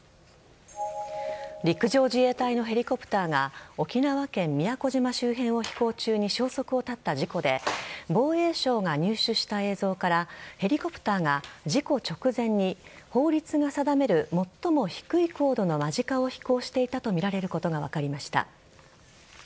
陸上自衛隊のヘリコプターが沖縄県宮古島周辺を飛行中に消息を絶った事故で防衛省が入手した映像からヘリコプターが事故直前に法律が定める最も低い高度の間近を飛行していたとみられることが分かりました。